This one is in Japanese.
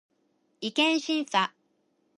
違憲審査